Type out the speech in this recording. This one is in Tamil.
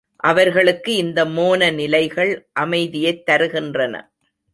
அவர்களுக்கு இந்த மோன நிலைகள் அமைதியைத் தருகின்றன.